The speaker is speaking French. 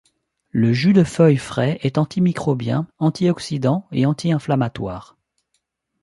Le jus de feuilles frais est antimicrobien, antioxydant et anti-inflammatoire.